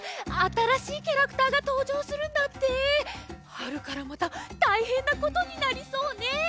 はるからまたたいへんなことになりそうねえ。